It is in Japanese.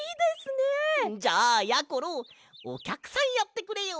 じゃあやころおきゃくさんやってくれよ。